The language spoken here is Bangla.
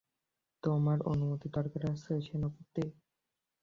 তোমার অনুমতির দরকার আছে, সেনাপতি?